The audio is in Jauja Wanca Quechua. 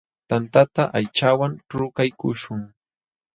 Tantata aychawan trukaykuśhun.